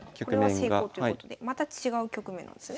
これは成功ということでまた違う局面なんですね。